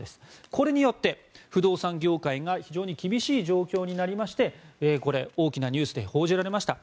これによって不動産業界が非常に厳しい状況になりましてこれ、大きなニュースで報じられました。